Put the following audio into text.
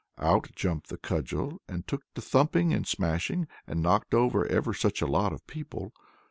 Out jumped the cudgel, and took to thumping and smashing, and knocked over ever such a lot of people.